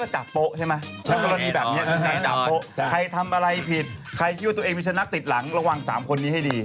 จับโปใครทำอะไรผิดใครคิดว่าตัวเองไม่ชนะติดหลังระวังสามคนนี้ให้ดี